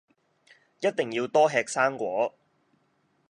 一定要多吃生菓